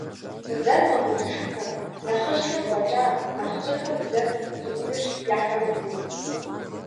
Бзэр мэкӀуэдыжыпэ, нэхъыжьхэм фӀэкӀа, нэхъыщӀэхэм бзэр зыӀурылъ яхэмытмэ.